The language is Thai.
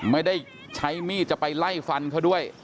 ไม่ได้ใช้มีดจะไปไล่ฟันเขาด้วย